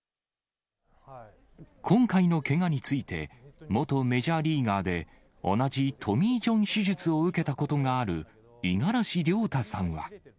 今回のけがについて、元メジャーリーガーで、同じトミー・ジョン手術を受けたことがある五十嵐亮太さんは。